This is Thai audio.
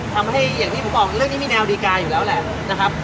อย่างที่ผมบอกเรื่องนี้มีแนวดีการอยู่แล้วแหละนะครับ